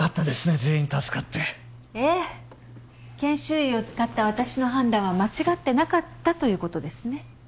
全員助かってええ研修医を使った私の判断は間違ってなかったということですね